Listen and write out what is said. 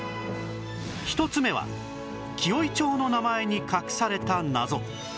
１つ目は紀尾井町の名前に隠された謎